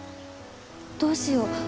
どうしよう？